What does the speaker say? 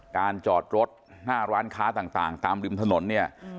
การจอดรถ๕ร้านค้าต่างตามริมถนนเนี่ย